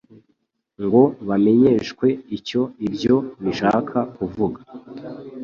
ngo bamenyeshwe icyo ibyo bishaka kuvuga.